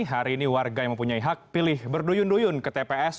hari ini warga yang mempunyai hak pilih berduyun duyun ke tps